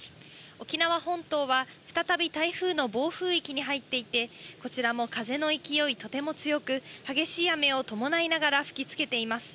沖縄本島は再び台風の暴風域に入っていて、こちらも風の勢い、とても強く、激しい雨を伴いながら吹きつけています。